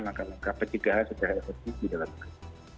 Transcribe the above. langkah langkah penjagaan secara efektif di dalam negara